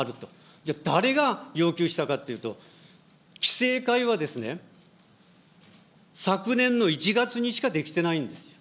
じゃあ、誰が要求したかというと、期成会はですね、昨年の１月にしかできてないんですよ。